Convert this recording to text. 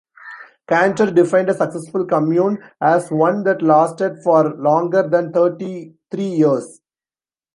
Kanter defined a "successful" commune as one that lasted for longer than thirty-three years.